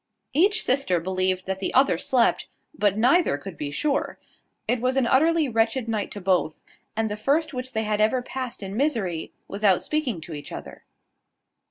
Each sister believed that the other slept; but neither could be sure. It was an utterly wretched night to both, and the first which they had ever passed in misery, without speaking to each other.